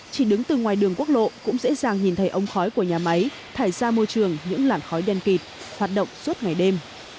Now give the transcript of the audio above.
chỉ đứng từ ngoài đường quốc lộ cũng dễ dàng nhìn thấy ông khói của nhà máy thải ra môi trường những làn khói đen kịt hoạt động suốt ngày đêm